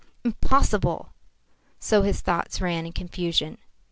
Impossible!" So his thoughts ran in confusion.